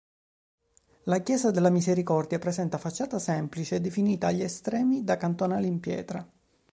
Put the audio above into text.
La chiesa della Misericordia presenta facciata semplice, definita agli estremi da cantonali in pietra.